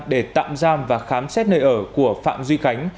để tạm giam và khám xét nơi ở của phạm duy khánh